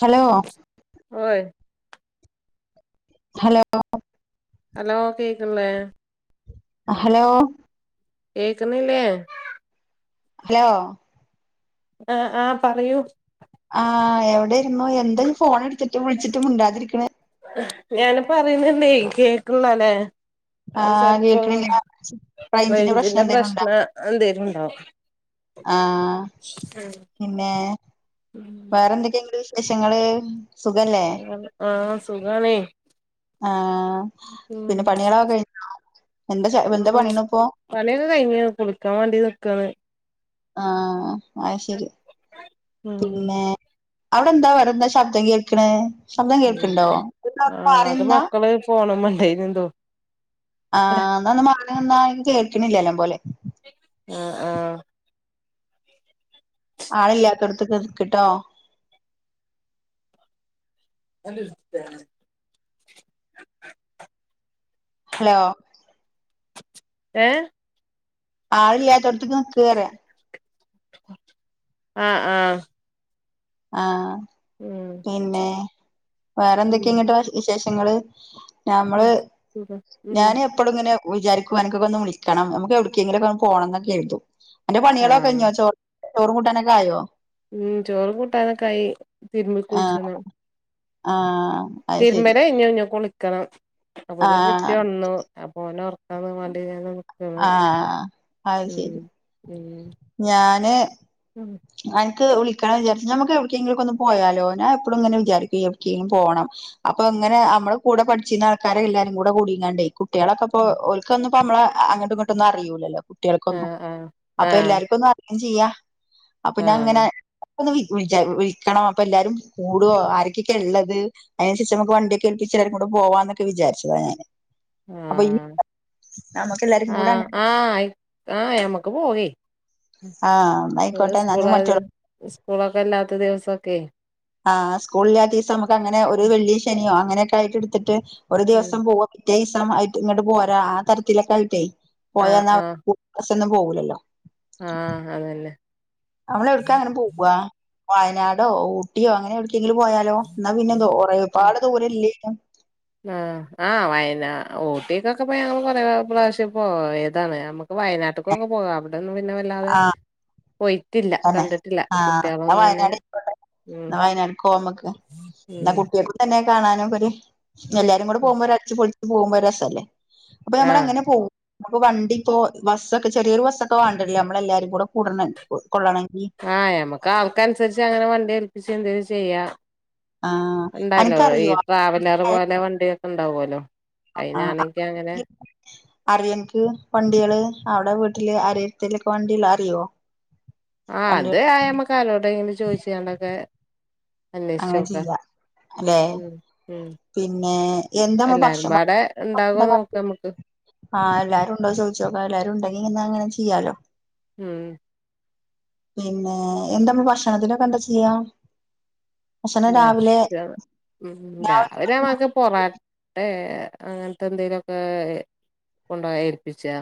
Hello ഓയ് hello hello കേക്കണില്ലേ hello കേക്കുന്നില്ലേ ഹലോ ആഹ് ആഹ് പറയൂ ആഹ് എവിടേരുന്നു എന്താ ഇജ്ജ് ഫോണെട്ത്തിട്ടും വിളിച്ചിട്ട് മുണ്ടാതിരിക്ക്ണെ ഞാന് പറിണ് ഇണ്ടേ കേക്ക്ണ്ല്ലാല്ലേ ആ അഹ് ചെൽപ്പോ കേൾക്കണില്ല റേഞ്ചിന്റെ പ്രശ്നം റെയിഞ്ച്ന്റെ എന്തേലും പ്രശ്ന എന്തേലുണ്ടാവും ആഹ് പിന്നെ വേറെന്തൊക്കെങ്ങട്ട് വിശേഷങ്ങള് സുഖല്ലേ അങ്ങനെ ആഹ് സുഖാണേ ആഹ് ഉം പിന്നെ പണിയാളോ കഴി ഉം പണിയൊക്കെ കഴിഞ്ഞ് കുളിക്കാ വാണ്ടി നിക്കാണ് ആഹ് അയ്ശരി ഉം പിന്നെ അവടെന്താ വേറെന്താ ശബ്ദം കേക്ക്ണെ ശബ്ദം കേൾക്ക്ണ്ടോ [unintelligible] മാറിനിന്നാ ഫോണ്മ്മണ്ടേയിനിയെന്തോ ആഹ് ഇന്നാ ഒന്ന് മാറിനിന്നാ അയിന് കേൾക്ക്ണില്ല നല്ലോം പോലെ ആഹ് ആഹ് ആള്ല്ലാത്തോട്ത്ത്ക്ക് നിക്ക്ട്ടോ ഹലോ ഏഹ് ആള്ല്ലാത്തോട്ത്ത്ക്ക് നിക്ക് അർയാ ആഹ് ആഹ് ആഹ് ഉം പിന്നെ വേറെ ഉം എന്തൊക്കേങ്ങട്ട് [unintelligible] വിശേഷങ്ങള് ഉം ഞമ്മള് സുഖം ഉം ഞാന് എപ്പളും ഇങ്ങനെ വിചാരിക്കും അന്ക്കക്കൊന്ന് വിളിക്കണം അമ്മക്ക് എവിടക്കേങ്കിലൊക്കൊന്ന് പോണന്ന് കെര്തും അന്റെ ആഹ് പണിയളൊക്കഴിഞ്ഞോ ചോർ ചോറും കൂട്ടാനൊക്കെ ആയോ ഉം ചോറും കൂട്ടാനൊക്കായി തിരുമ്പി ആഹ് കുള്ച്ചെണം ആഹ് അത് ശരി തിരുമ്പലഴിഞ്ഞു ഇഞ്ഞു കുളിക്കണം അപ്പോതിനും കുട്ടി ആഹ് ഒൺന്നു അപ്പോ ഓനെ ഓർക്കാന് [unintelligible] വാണ്ടി ഞാനു ഓനും ആഹ് അഹ് ശരി ഉം ഞാന് ഉം അന്ക്ക് വിളിക്കണന്ന് വിചാരിച്ച് ഞമ്മക്ക് എവട്ക്കേങ്കിലൊക്കൊന്ന് പോയാലോ ഞാൻ എപ്പളുങ്ങനെ വിചാരിക്കും എവട്ക്കേങ്കിം പോണം അപ്പ ഇങ്ങനെ അമ്മടെ കൂടെ പഠിച്ചീര്ന്ന ആൾക്കാരെ എല്ലാരും കൂടെ കൂടിങ്ങാണ്ടേ കുട്ടിയാളൊക്കപ്പോ ഓല്ക്കൊന്നും ഇപ്പ അമ്മളെ അ അങ്ങട്ടും ഇങ്ങോട്ടൊന്നും അറിയൂല്ലല്ലോ കുട്ടിയെൾക്കൊന്നും ആഹ് ആഹ് ആഹ് ഇപ്പയെല്ലാർക്കൊന്നും അറിയേം ചെയ്യാ അപ്പം ഞാന് ഇങ്ങനെ ആഹ് ഇപ്പൊന്ന് വി വിൾച്ചാലു ഉം വിള്ക്കണോ അപ്പൊ എല്ലാരും കൂടോ ആരെക്കെക്കേ ഇള്ളത് അയിനു ശേഷം നമുക്ക് വണ്ടിയൊക്കെ എൽപ്പിച്ച് എല്ലാരുക്കൂടെ പോവാന്നൊക്കെ വിചാര്ച്ചതാ ഞാന് അപ്പൊ ഈ ആഹ് നമുക്ക് എല്ലാരും കൂടെ ആഹ് അങ്ങനെ ആഹ് അയി ആഹ് ഞമ്മക്ക് പോവേ ഉം ആഹ് ന്നാ ആയിക്കോട്ടെ [unintelligible] ന്നാ ഇഞ്ഞ് സ്കൂള് മറ്റോളെ [unintelligible] സ്കൂളൊക്കെ ഇല്ലാത്ത ദിവസൊക്കെ ആഹ് സ്കൂള് ഇല്ലാത്തീസം അമ്മക്കങ്ങനെ ഒരു വെള്ളിയോ ശനിയോ അങ്ങനെയൊക്കായിട്ട് ഇട്ത്തിട്ട് ഒരു ഉം ദിവസം പോവാ പിറ്റേയിസം ആയിട്ട് ഇങ്ങട്ട് പോരാ ആ തരത്തിലൊക്കായിട്ടേ ആഹ് പോയാന്നാ ആഹ് [unintelligible] പോവൂല്ലല്ലോ ആഹ് അതന്നെ അമ്മളെ എവ്ട്ക്കാ അങ്ങനെ പോവാ വയനാടോ ഊട്ടിയോ അങ്ങനെ എവട് ക്കെങ്കിലും പോയാലോ ഇന്നാ പിന്നെന്തോ ഒറെയൊരുപാട് ദൂര ഇല്ലേനും ന്നാ ആഹ് വയനാ ഊട്ടിക്കൊക്കെപ്പോ ഞങ്ങള് കൊറേ പ്രാവശ്യം ഇപ്പോ ഏതാണ് ഞമ്മ ക്ക് വയനാട്ട്ക്കൊക്കേ പോവാ അവടൊന്നും പിന്നെ വല്ലാതെ ആഹ് പോയി ട്ടില്ല തന്നെ കണ്ടിട്ടില്ല കു കുട്ട്യാളൊന്നും തന്നെ ഉം ഇന്നാ വയനാട്ക്കോവാമ്മക്ക് ന്നാ ഉം കുട്ട്യാക്കത് തന്നെ കാണാനും ഒര് എല്ലാരും കൂടെ പോവുമ്പോ ഒരു അട്ച്ച് പൊളിച്ച് പോവുമ്പോ ഒര് രസല്ലേ ആഹ് അപ്പയമ്മളെങ്ങനെ പോവും നമ്മക്ക് വണ്ടിപ്പോ ബസ്സൊക്കെ ചെറിയോരു ബസ്സൊക്കെ വാണ്ടിയര്ല്ലേ അമ്മളെ എല്ലാരിം കൂടെ കൂടണെ കൊ കൊള്ളണെങ്കി ആഹ്ഞമക്ക് ആൾക്ക അനുസരിച്ച് അങ്ങനെ വണ്ടി ഏൽപ്പിച്ച് എന്തലും ചെയ്യാം ആഹ് ഉണ്ടാലോ ഈ അനക്കറിയോ ട്രാവലർ അവിടെ പോലെ വണ്ടിയൊക്കെ ഉണ്ടാവുമല്ലോ അയിനാണെങ്കിൽ അങ്ങനെ അറിയനിക്ക് വണ്ടികള് അവിടെ വീട്ടില് അരെടുത്തലക്കെ വണ്ടികള് അറിയുവോ ആഹ് അത് ആമ്മക്കലോടെങ്കിലും ചോയിച്ച് കണ്ടൊക്കെ അങ്ങനെ അല്ലശോക്ക ചെയ്യാ അല്ലെ ഉം ഉം പിന്നെ എന്താമ്മ ഭക്ഷ എല്ലാരുംപാടെ ഇണ്ടാകോ നോക്കാ നമ്മക്ക് [unintelligible] ആഹ് എല്ലാരുംണ്ടോചോദിച്ചോക്ക എല്ലുരുണ്ടെങ്കി ഇങ്ങ അങ്ങനെ ചെയ്യാലോ ഉം പിന്നെ എന്താമ്മ ഭക്ഷണത്തിനൊക്കെ എന്താ ചെയ്യാ ഭക്ഷണം രാവിലെ ഭക്ഷ ഉം രാവിലെ മക്ക് പൊറാട്ടെ അങ്ങൻത്തെ ന്തെലൊക്കെ കൊണ്ട ഏൽപ്പിച്ചാ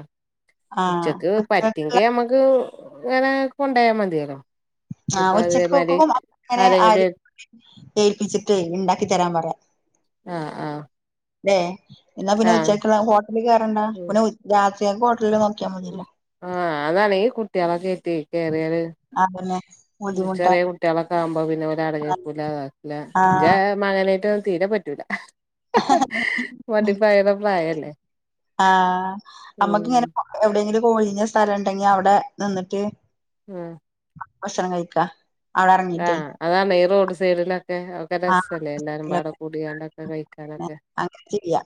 ആഹ് ഉച്ചക്ക് ഉച്ചക്കുള്ള പറ്റിങ്കെ അമ്മക്ക് വേണേ കൊണ്ടോയാ മതിയല്ലോ. ആ് ഇനിപ്പ ഉച്ചക്ക് അതേമാതിരി [inaudible] അങ്ങനെ ആരെ ആരെങ്കിലും ഏൽപ്പിച്ചിട്ടെ ണ്ടാക്കി തരാൻ പറയാ ആഹ് ആഹ് ല്ലേ എന്നാ പിന്നെ ആഹ് ഉച്ചക്ക്ള്ള ഹോട്ടല് കേറണ്ട പിന്ന ഉം രാത്രിയക്കെ ഹോട്ടല്ല് ക്കാ മതിയല്ലോ ആഹ് അതാണെ ഈ കുട്ട്യേളൊക്കെറ്റ് കേറിയാല് അതന്നെ ബുദ്ധിമുട്ടാ ചെറിയ കുട്ടികളൊക്കാവുമ്പോ പിന്നെ ഓലട്ങ്ങിക്കൂല കേക്കൂല്ല ജേ ആഹ് മണെലേറ്റൊ തീരെ പറ്റൂല. മണ്ടിപ്പായണെ പ്രായല്ലേ ഉം എവ്ടെയ്ങ്കിലൊക്കെ ഒയിഞ്ഞെ സ്ഥലണ്ടെങ്കി അവടെ നിന്നിട്ട് ഉം ഭക്ഷണം കഴിക്കാ അവിടെ ഇറങ്ങീട്ടേ ആഹ് അതാണ് ഈ റോഡ് സൈഡിലൊക്കെ ഒക്കെ ആഹ് രസല്ലേ എല്ലാരും പാട കൂടിയാണ്ടൊക്കെ കഴി [inaudible] അങ്ങനെ ചെയ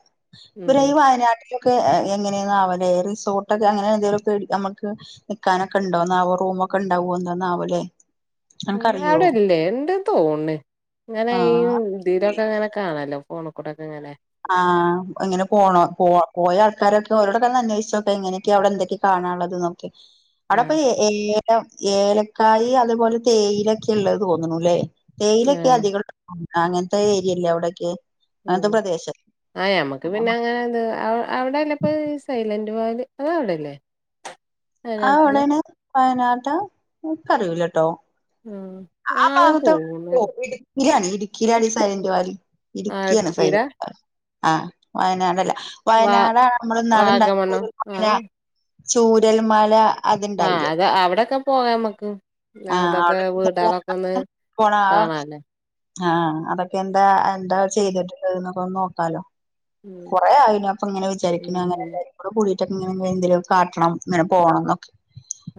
ഉം പൊരീ വയനാ ക്കെ എങ്ങനെയാണാവല്ലേ റിസോട്ടൊക്കെ അങ്ങനെ എന്തെങ്കിലൊക്കെ അമക്ക് നിക്കാനൊക്കെ ണ്ടോന്നാവോ റൂമൊക്കെ ണ്ടാവോ ന്താന്നാവല്ലേ. ആ ആടെല്ലേ ണ്ട് തോണ് ഞാന് ഈ ആഹ് തിലൊക്കെങ്ങനെ കാണല്ലോ ഫോൺ കൂടൊക്കെ ങ്ങനെ ആഹ് ങ്ങനെ പോണോ പോവാം പോയ ആൾക്കാരൊക്കെ ഓളോടൊക്കെന്നന്വേഷിചോക്കെ എങ്ങനൊക്കെയ അവടെ എന്തൊക്കെയാ കാണാള്ളത് നോക്കെ ആഹ് അവടെപ്പയി ഏലം ഏലക്കായി അതുേപോലെ തേയിലൊക്കെ ള്ളത് തോന്ന്ണുല്ലേ. തേയിലെക്കെ ആഹ് അധികള്ള അങ്ങൻത്തെ ഏരിയല്ലേ അവിടൊക്കെ ഉം അങ്ങൻത്തെ പ്രദേശം. ആഹ് ഞമ്മക്ക് പിന്നെ ങ്ങനെത് അവ അവടെല്ലെ പ്പ് സൈലന്റ് വാല് അതവടെല്ലേ അത് അവിടണോ വയനാട്ടാ ഇൻ ക്കറിയൂലട്ടോ ഉം ആ ഭാഗത്തോ ഒ ഇടുക്കിലാണി ഇടുക്കിലാണി സൈലന്റ് വാലി. ആഹ് ഇടുക്കിയാണ് ഇടുക്കിയിലാ സൈലന്റ് വാലി ആഹ് വയനാടല്ല. വാ വയനാടാ ണമ്മള് ന്നാള്ണ്ടായ വാഗമണ്ണം ഉരുൾപൊട്ടല അത് ചൂരൽ മല ആഹ് അത അവ്ടൊക്കെ പോകാമക്ക് ആഹ് അതൊക്കെ അവിടെ വീടാളൊക്കൊന്ന് പോണ കാണല്ലെ ആഹ് അതക്കെ എന്താ എന്താ ഉം ചെയ്ത്ട്ട്ല്ലത് നൊക്കെ നോക്കാലോ ഉം കൊറെ ആയി നാപ്പം ഇങ്ങനെ വിചാരിക്ക്ണ് ഉം അങ്ങനെല്ലാരു ടെ കൂടിയിട്ടൊക്കെ ഇങ്ങനെെ ന്തെലൊക്കെ കാട്ടണം ങ്ങനെ പോണം ന്നൊക്കെ.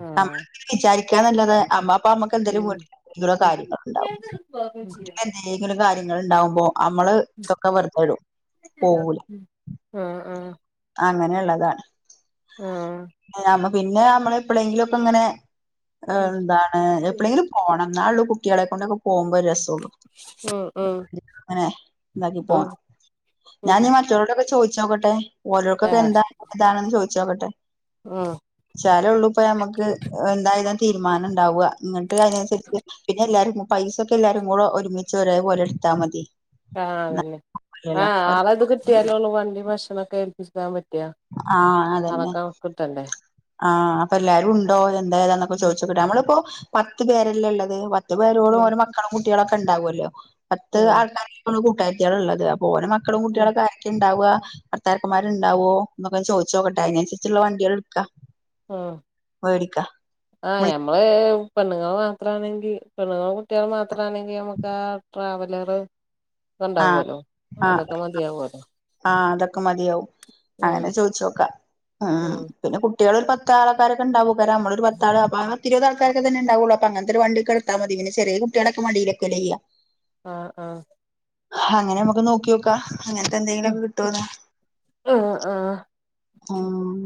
ആഹ് വിചാരിക്കാന്നല്ലാതെ അമ്മ അപ്പ അമ്മക്ക് ന്തെലും ഉം വീട്ടില് കാര്യങ്ങള്ണ്ടാവും. ന്തെങ്കിലും കാര്യങ്ങൾ ണ്ടാവുമ്പോ അമ്മള് തൊക്കെ വെർതെടും പോവൂല ആഹ് ആഹ് അങ്ങനെള്ളതാണ് ആഹ് പിന്നെ ഞമ്മള് എപ്പളേങ്കിലൊക്കെങ്ങനെ ഉം ഏന്താ ഏ എപ്പളേങ്കിലും പോണം ന്നാള്ളൂ കുട്ട്യാളെക്കൊണ്ടൊക്കെ പോവുമ്പോ രസം ട്ടൊ ഉം ഉം ങ്ങനെ താക്കി ഉം പോണം ഞാന് ഉം മ റ്റോരോടൊക്കെ ചോയ്ച്ചോക്കട്ടെ ആഹ് ഓരോർക്കൊക്കെന്താ ഇതാണെന്ന് ചോയ്ച്ചോക്കട്ടെ ഉം ച്ചാലൊള്ളൂ പ്പമ്മക്ക് എന്താ ഏതാ തീര്മാനണ്ടാവ ന്ന്ട്ട് അയ്നൻസര്ച്ച് പിന്നെല്ലാരും പൈസൊക്കെല്ലാരും കൂടെ ഒരുമിച്ച് ഒരേ പോലെ ട്ത്താ മതി ആ ന്നാ അതെന്നെ ആ ല്ലോ ഒരു ആളത് കിട്ടിയാലൊള്ളൂ വണ്ടിം ഭക്ഷണൊക്കെ ഏൽപ്പിക്കാൻ പറ്റു ല്ല [unintelligible] കിട്ടണ്ടേ ആ അപ്പൊ എല്ലാരുംണ്ടോ എന്തായേതാന്നൊക്കെ ഉം ചോയ്ച്ചോക്കട്ടെ നമ്മളിപ്പോ പത്ത് പേരല്ലേ ള്ളത് വ പത്ത് പേരോളും ഉം ഓലെ മക്കളും കുട്ട്യാളൊക്കെ ണ്ടാവല്ലോ പത്ത് ഉം ആൾക്കാരാ കൂട്ടാര്ത്യാള്ള്ളത് ഓരെ മക്കളും ഉം കുട്ട്യാളൊക്കെ ക്കിണ്ടാവ ഭർത്താക്കന്മാര്ണ്ടാവോ ന്നൊക്കെ ചോയ്ച്ചോക്കട്ടെ അയ്നൻസരിച്ച്ള്ള വണ്ടിയാള് ഇട്ക്കാ ആ വേടിക്ക ആ ഞമ്മള് പെണ്ണുങ്ങള് മാത്രാണെങ്കി പെണ്ണ്ങ്ങളും കുട്ട്യാളും മാത്രാണെങ്കി നമ്മക്കാ ട്രാവലറ് ക്കെണ്ടാവുല്ലോ അതൊക്കെ മതിയാവോലോ ആ അതൊക്കെ മതിയാവും അങ്ങനെ ചോയ്ച്ചോക്ക ഉം പിന്നെ കുട്ട്യാളൊര് പത്ത് പത്താൾക്കാരൊക്കെണ്ടാവേക്കാരം നമ്മളൊര് പത്താള് അപ്പാ പത്തിരുപത് ആൾക്കൊക്കെന്നെണ്ടാവൊള്ളു അപ്പ അങ്ങൻത്തൊരു വണ്ടിയൊക്കെ ഇട്ത്താ മതി പിന്നെ ചെറിയ കുട്ട്യാളൊക്ക മടിലെക്കല്ലെയ്യ ആ ആ അങ്ങനെ ഞമ്മക്ക് നോക്ക്യോക്കാ അങ്ങൻത്തെന്തെലൊക്കെ കിട്ടോന്ന് ആ ആ ആ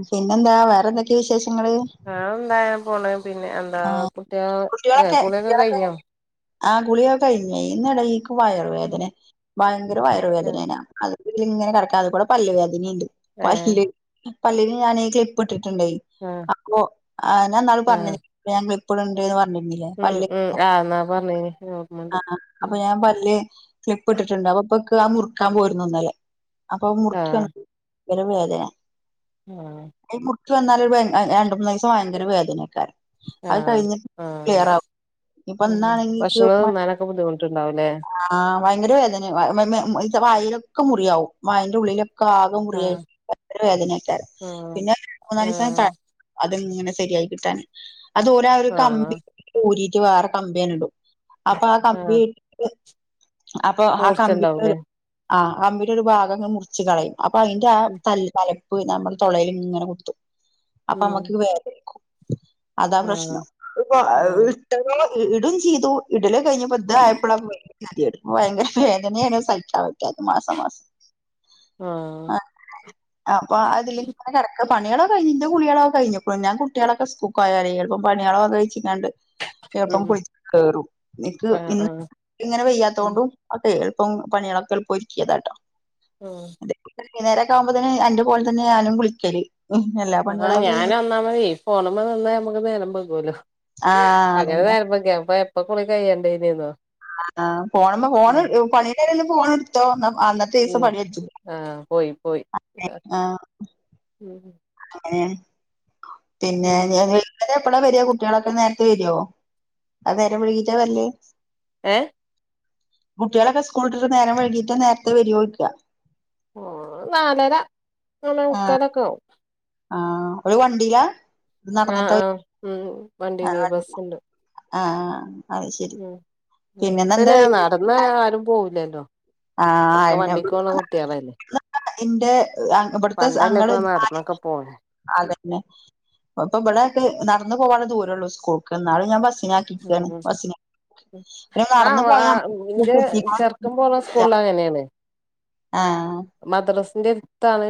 പിന്നെന്താ വേറെന്തൊക്കെ വിശേഷങ്ങള് വേറെന്താ അങ്ങനെ പോണ് പിന്നെ എന്താ ആഹ് കുട്ട്യാള് എ കുട്ടികളൊക്കെ കുളിയൊക്കെ കുട്ടികളൊക്കെ കയ്ഞ്ഞോ ആ കുളിയൊക്കെ കയ്ഞ് അയ്ന്റെടേല് ൻക്ക് വയറുവേദനെ ഭയങ്കര ആഹ് വയറുവേദനേനാ അത്ക്കൂടിങ്ങനെ കെടക്കാ അത് കൂടെ പല്ല് വേദനേം ണ്ട് ഏഹ് പല്ല് പല്ലിന് ഞാന് ക്ലിപ്പിട്ടിട്ട്ണ്ടേ ആ അപ്പൊ ഞാന്നാള് പർഞ്ഞിലെ [unintelligible] ഉം ഉം ആഹ് എന്നാ പറഞ്ഞീനി ഓർമ്മണ്ട് [unintelligible] അപ്പൊ ഉം ഞാൻ പല്ല് ക്ലിപ്പ്ട്ട്ട്ട് ണ്ട് അപ്പൊ ക്ക് അത് മുറുക്കാൻ പോയിര്ന്നു ഇന്നലെ അപ്പൊ മുറുക്കി ആഹ് പെരും വേദനെ ആ അത് മുർക്കി വെന്നാല് രണ്ട് മൂന്നീസം ഭയങ്കര വേദനേക്കാരം അത് ആഹ് കഴിഞ്ഞിട്ട് ആഹ് ക്ലിയറാവും ഉം ഇപ്പന്നാണെങ്കിൻക്ക് ഭക്ഷണം മ തിന്നാനൊക്കെ ബുദ്ധിമുട്ടുണ്ടാവുംല്ലേ ആ ഭയങ്കര വേദനെ [unintelligible] വായിലൊക്കെ മുറിയാവും വായിന്റുള്ളില് ക്കാകെ മുറിയായി ആഹ് ല്ല വേദനേക്കാരം ആഹ് പിന്നെ മൂന്നാലീസം ച ആഹ് അത്ങ്ങനെ ശെരിയായി കിട്ടാന് അതോല് ട്ടവര് കമ്പി ആഹ് ഊരിട്ട് വേറെ കമ്പിയയ്ന്ടും അപ്പൊ ആ കമ്പി ആഹ് ഇട്ട് അപ്പൊ ആ മൂർച്ചണ്ടാവുംല്ലേ കമ്പിന്റോരു ആ കമ്പിടെ ഒരു ഭാഗങ്‌ മുർച്ച് കളയും അപ്പയ്ന്റെ ആ ഉം ത എപ്പും ഞമ്മളെ തൊള്ളേല്ങ്ങനെ കുത്തും അപ്പൊ ഉം നമ്മക്ക് വേദനിക്കും അതാ ആഹ് പ്രശ്നം ഇപ്പൊ ആഹ് ഇട്ടതോ ഇടുംചീതു ഇടല്കയ്ഞ്ഞപ്പോ ഇതായപ്പളാ ഭയങ്കര ഗതിയേട് ഇപ്പൊ ഭയങ്കര വേദനേണ് സഹിക്കാൻ പറ്റാത്തത് മാസാമാസം ആ അപ്പൊ അതില് ങ്ങനെ കെടക്ക പണിയാളൊക്കെ കയ്ഞ് ന്റെ കുളിയാളൊക്കെ കയ്ഞ്പ്പോ ഞാൻ കുട്ട്യാളൊക്കെ സ്കൂ [unintelligible] പണിയാളൊക്കെ വെച്ച്ക്കാണ്ട് [inaudible] എളുപ്പം കുള കേറും നിക്ക് ആഹ് ഇന്ന് ആഹ് ഇങ്ങനെ ഉം വെയ്യാത്തോണ്ടും അതേ എളുപ്പം പണികളൊക്കെ എളുപ്പൊരുക്കിയതാ ട്ടോ ഓ നേരക്കാമ്പോത്തെന് എന്റെ ഫോണിത്തന്നെയ ഞാനും വിളിക്കല് ഒഹ് ല്ല ആഹ് ഞാനൊന്നാമതേ ഈ ഫോണ് മ്മെനിന്നാ ഞമ്മക്ക് നേരം പോകല്ലോ ആഹ് അതന്നെ അങ്ങനനേരംപോക്കി അപ്പ എപ്പൊ കുളി കയ്യണ്ടനിയെന്നോ ആ ഫോണ് മെ ഫോണ് പണിടെടേലും ഫോൺ എടുത്തോ ഉം അ ആഹ് പോയി പോയി [unintelligible] ആഹ് ഉം [unintelligible] പിന്നെ ഉം [unintelligible] വരെ എപ്പളാ വരാ കുട്ടികളൊക്കെ നേരത്തെ വരുവോ അതൊ നേരം വൈകീട്ടാ വരല് ഏ കുട്ടികളൊക്കെ സ്കൂളിട്ടിട്ട് നേരം വൈകിട്ടാ നേരത്തെ വരുവോയ്ക്ക ഓല് നാലര ആഹ് നാലെമുക്കാലൊക്കെ ആവും ആഹ് ഓല് വണ്ടീലാ ആഹ് നടന്നിട്ടാ ആഹ് ഉം വണ്ടിയില് ആഹ് ബസ്സുണ്ട് ആഹ് അത് ശരി പിന്നെന്നെന്താ തന്നെ നടന്ന് ആരും പോവില്ലല്ലോ ആഹ് ഒക്കെ അന്നെ വണ്ടിക്ക് പോണ കുട്ടികളല്ലേ ഇന്റെ ഇവിടുത്തെ പണ്ടല്ലേ ആങ്ങള് ഇപ്പൊ നടന്നൊക്കെ പോണെ അതന്നെ ഇപ്പൊബ്ടെയൊക്കെ നടന്നു പോവാളള ദൂരേള്ളൂ സ്കൂൾക്ക് എന്നാലും ഞാൻ ബസ്സിന തെ ഉം ബസ്സിന് ഉം പിന്നെ നടന്ന് പോയാ [unintelligible] എത്തീക്ക്ണൊ ക്കൻ പോണ സ്കൂളിൽ അങ്ങനേണ് ആഹ് മദ്രസിന്റെടുത്താണ്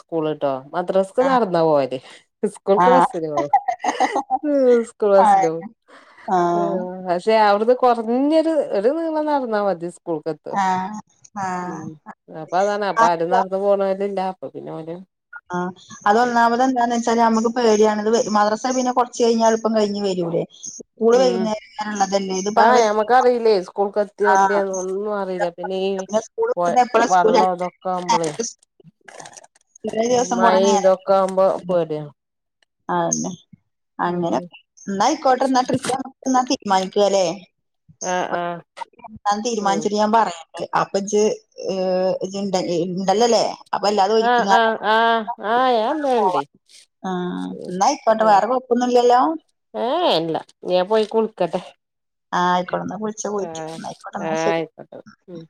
സ്കൂൾട്ടോ മദ്രസ്ക്ക് ആഹ് നടന്നാ പോവല് ഇസ്കൂൾക്ക് ആഹ് ബസ്സിന് പോവും സ്കൂൾ ആഹ് ബസ്സിന് പോം ആഹ് പക്ഷെ അവിടുന്ന് കൊറഞ്ഞൊരു ഒരു നീളം നടന്നാ മതി കൂൾകെത്ത് ഉം ആഹ് അപ്പാതാണ് അപ്പൊ ആഹ് ആരും നടന്ന് പോണോര് ഇല്ല അപ്പൊ പിന്നെ ഓലും ആഹ് അതൊന്നാമത് എന്താന്ന് വെച്ചാല് അമ്മക്ക് പേടിയാണിത് മദ്രസെ പിന്നെ കൊറച്ച് കഴിഞ്ഞാ പ്പം കയിഞ്ഞ് വരൂലേ സ്കൂള് ഉം വൈകുന്നേരം വരെള്ളതല്ലേ ഇത്പ്പ അവിടെതീക്ണൊ ലേ സ്കൂൾക് ത്തിയോല്ലിയോന്നൊന്നും അറിയില്ല പിന്നെ ഈ സ്കൂള് വയ് വിടുന്നത് എപ്പളാ സ്കൂള് വള്ളം ഇതൊക്കാമ്പളേ എലേദിവസം കൊറേ മഴയും നേരം ഇതൊക്കെ ആവുമ്പോ [unintelligible] പേടിയാണ് ആഹ്ശെ അങ്ങനെ ഉം എന്നായിക്കോട്ടെന്നാ [unintelligible] എന്നാ തീരുമാനിക്കുവല്ലേ ആഹ് ആഹ് ഉം തീരുമാനിച്ചിട്ട് ഞാൻ പറയാം അപ്പൊ ഇജ് ഇജ് ണ്ടലേ ഉണ്ടലല്ലേ അപ്പ അല്ലാ ആഹ് ആഹ് ആഹ് ആഹ് ഞാൻ നമ്മക്ക് ഇണ്ടാവൽണ്ട് പോവാ ആഹ് ഇന്നായ്ക്കോട്ടെ വേറെ കൊയപ്പൊന്നില്ലല്ലോ ഏഹ് ഇല്ല ഞാൻ പോയി കുളിക്കട്ടെ ആഹ് ആയിക്കോട്ടെ എന്നാ വിളിച്ചാ പോയിട്ട് ആഹ് എന്നാ ആയിക്കോട്ടെ എന്നാ ആഹ് ശരി ആയിക്കോട്ടെ ഉം